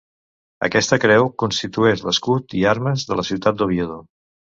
Aquesta creu constitueix l'escut i armes de la ciutat d'Oviedo.